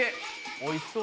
おいしそう。